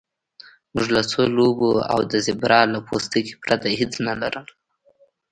موږ له څو لوبو او د زیبرا له پوستکي پرته هیڅ نه لرل